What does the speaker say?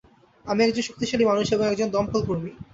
আমি একজন শক্তিশালী মানুষ এবং একজন দমকল কর্মী।